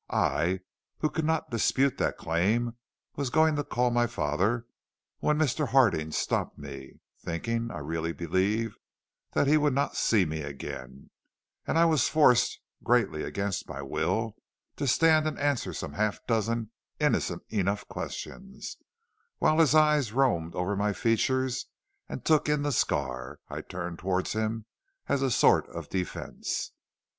I, who could not dispute that claim, was going to call my father, when Mr. Harding stopped me, thinking, I really believe, that he would not see me again, and I was forced, greatly against my will, to stand and answer some half dozen innocent enough questions, while his eyes roamed over my features and took in the scar I turned towards him as a sort of defence.